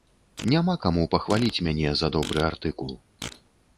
Няма каму пахваліць мяне за добры артыкул.